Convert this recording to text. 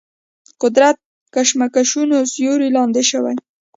قدرت کشمکشونو سیوري لاندې شوي.